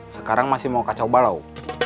sekarang masih mau kacau balau